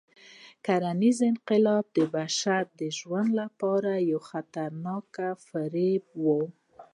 کرنيز انقلاب د بشري ژوند لپاره یو خطرناک فریب و.